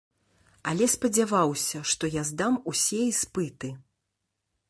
Але спадзяваўся, што я здам усе іспыты.